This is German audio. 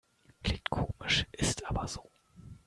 Klingt komisch, ist aber so.